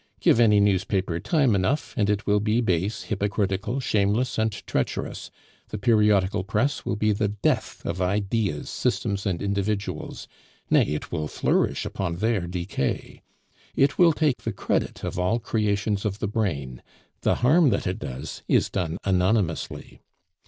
Give any newspaper time enough, and it will be base, hypocritical, shameless, and treacherous; the periodical press will be the death of ideas, systems, and individuals; nay, it will flourish upon their decay. It will take the credit of all creations of the brain; the harm that it does is done anonymously.